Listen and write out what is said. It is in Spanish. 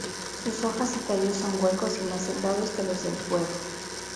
Sus hojas y tallos son huecos y más delgados que los del puerro.